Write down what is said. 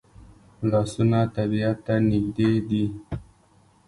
لاسونه طبیعت ته نږدې دي